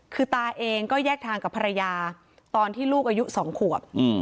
คือตาเองก็แยกทางกับภรรยาตอนที่ลูกอายุ๒ขวบ